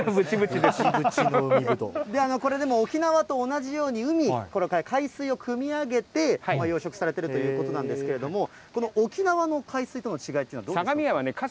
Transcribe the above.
これ、でも沖縄と同じように海、海水をくみ上げて、養殖されているということなんですけれども、この沖縄の海水との違いというのはどうですか。